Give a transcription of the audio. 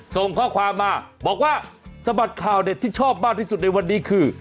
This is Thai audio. ส่งข้อความมาบอกว่าสะบัดข่าวเด็ดที่ชอบมากที่สุดในวันนี้คือ